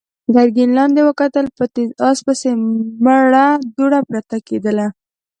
ګرګين لاندې وکتل، په تېز آس پسې مړه دوړه پورته کېدله.